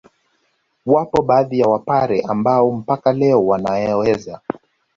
Wapo baadhi ya Wapare ambao mpaka leo wanaweza